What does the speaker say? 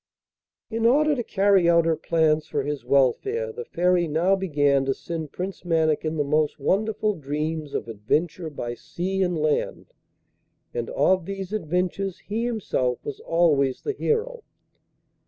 In order to carry out her plans for his welfare the Fairy now began to send Prince Mannikin the most wonderful dreams of adventure by sea and land, and of these adventures he himself was always the hero.